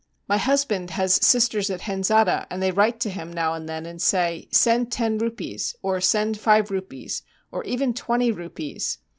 My husband has sisters at Henzada, and they write to him now and then, and say, "Send ten rupees," or "Send five rupees," or even twenty rupees.